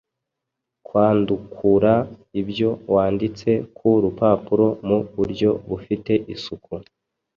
Kwandukura ibyo wanditse ku rupapuro mu buryo bufite isuku